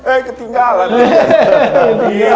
eh ketinggalan gitu yaa